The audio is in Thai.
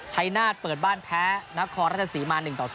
ชัยนาธเปิดบ้านแพ้แล้วคอราชสีมา๑ต่อ๒